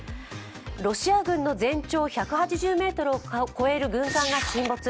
ロシア軍の全長１８０ｍを超える軍艦が沈没。